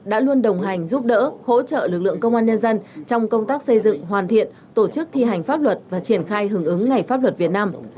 đã luôn đồng hành giúp đỡ hỗ trợ lực lượng công an nhân dân trong công tác xây dựng hoàn thiện tổ chức thi hành pháp luật và triển khai hưởng ứng ngày pháp luật việt nam